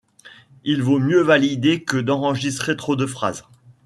Il vaut mieux valider que d’enregistrer trop de phrases.